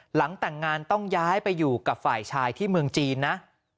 หลังแต่งงานต้องย้ายไปอยู่กับฝ่ายชายที่เมืองจีนนะ